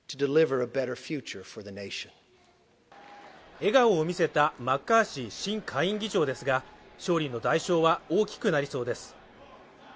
笑顔を見せたマッカーシー新下院議長ですが、勝利の代償は大きくなりそうです。